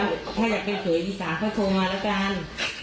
ถ้าอยากไปเฉยอีสานก็โทรมาแล้วกัน